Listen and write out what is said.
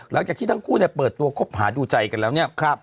หลังจากที่ทั้งคู่เนี่ยเปิดตัวคบหาดูใจกันแล้วเนี่ย